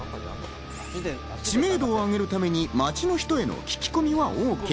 知名度を上げるために街の人への聞き込みはＯＫ。